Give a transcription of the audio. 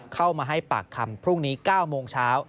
เข้ามาให้ปากคำพรุ่งนี้๙โมงเช้า